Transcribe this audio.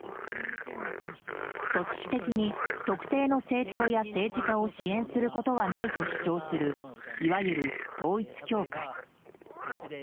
組織的に特定の政党や政治家を支援することはないと主張するいわゆる統一教会。